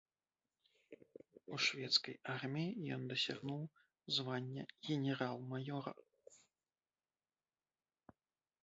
У шведскай арміі ён дасягнуў звання генерал-маёра.